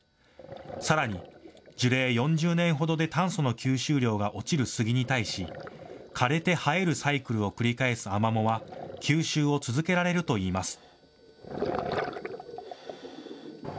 さらに樹齢４０年ほどで炭素の吸収量が落ちるスギに対し枯れて生えるサイクルを繰り返すアマモは吸収を続けられるといいます。